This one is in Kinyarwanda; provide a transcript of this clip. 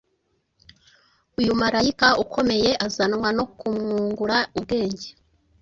Uyu malayika ukomeye azanwa no kumwungura ubwenge